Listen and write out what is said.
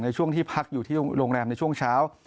ช่วงที่พักอยู่ที่โรงแรมในช่วงเช้า